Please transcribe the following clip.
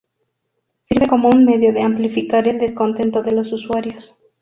sirve como un medio de amplificar el descontento de los usuarios